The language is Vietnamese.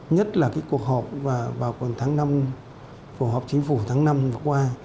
nhất là cuộc họp vào tháng năm cuộc họp chính phủ tháng năm vừa qua